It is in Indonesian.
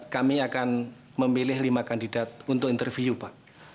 kami akan memilih lima kandidat untuk interview pak